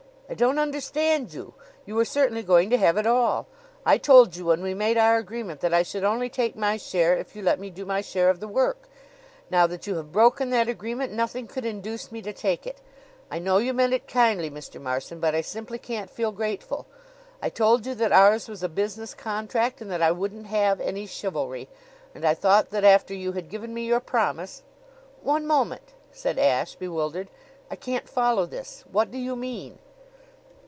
"I don't understand you. You are certainly going to have it all. I told you when we made our agreement that I should only take my share if you let me do my share of the work. Now that you have broken that agreement, nothing could induce me to take it. I know you meant it kindly, Mr. Marson, but I simply can't feel grateful. I told you that ours was a business contract and that I wouldn't have any chivalry; and I thought that after you had given me your promise " "One moment," said Ashe, bewildered. "I can't follow this. What do you mean?"